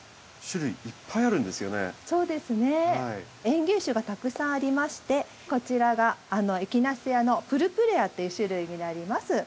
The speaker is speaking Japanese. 園芸種がたくさんありましてこちらがエキナセアのプルプレアっていう種類になります。